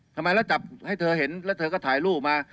ทำไมแล้วจับให้เธอเห็นแล้วเธอก็ถ่ายรูปมา